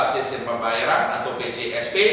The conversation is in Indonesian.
sistem pembayaran atau pjsp